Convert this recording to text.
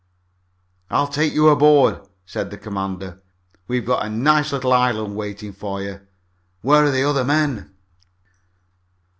"I'll take you aboard," said the commander. "We've got a nice little island waiting for you. Where are the other men?"